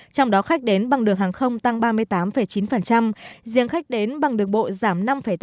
trong đó khách đến bằng đường hàng không tăng ba mươi tám chín riêng khách đến bằng đường bộ giảm năm tám